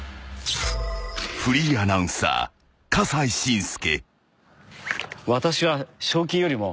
［フリーアナウンサー笠井信輔］